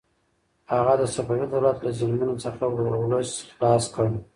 هغه د صفوي دولت له ظلمونو څخه ولس خلاص کړ.